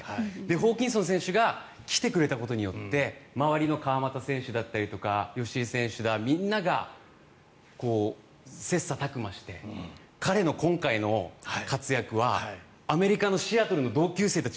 ホーキンソン選手が来てくれたことによって周りの川真田選手だったり吉井選手だったりみんなが切磋琢磨して彼の今回の活躍はアメリカのシアトルの同級生たち